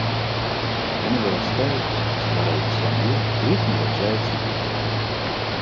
Яны вырастаюць, ствараюць сям'ю, у іх нараджаецца дзіця.